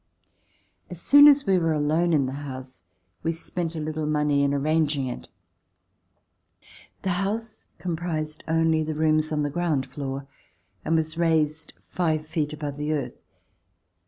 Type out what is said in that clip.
As soon as we were alone in the house, we spent a little money in arranging it. The house comprised only the rooms on the ground floor and was raised C 208 ] (DQM / 9 4 THE FARM NEAR ALBANY five feet above the earth.